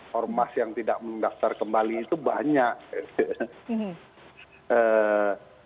hormas yang tidak mendaftar kembali itu banyak